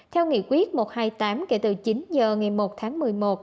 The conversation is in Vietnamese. theo nghị quyết một trăm hai mươi tám kể từ chín h ngày một tháng một mươi một